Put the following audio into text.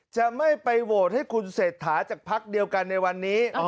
จะไม่ไปโหวตให้คุณเศรษฐาจากพักเดียวกันในวันนี้